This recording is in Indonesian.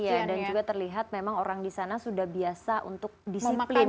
iya dan juga terlihat memang orang di sana sudah biasa untuk disiplin